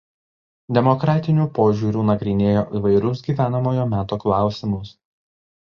Demokratiniu požiūriu nagrinėjo įvairius gyvenamojo meto klausimus.